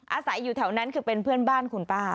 อาศัยอยู่แถวนั้นคือเป็นเพื่อนบ้านคุณป้า